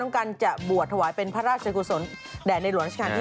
การจะบวชถวายเป็นพระราชกุศลแด่ในหลวงราชการที่๙